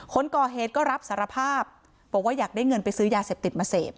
คนก่อเหตุก็รับสารภาพบอกว่าอยากได้เงินไปซื้อยาเสพติดมาเสพ